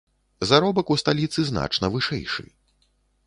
Заробак у сталіцы значна вышэйшы.